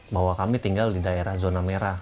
bahwa kami tinggal di daerah zona merah